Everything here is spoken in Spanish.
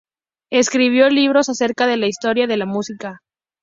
Escribió libros acerca de la historia de la música.